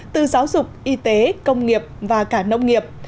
từ giáo dục y tế công nghiệp và cả nông nghiệp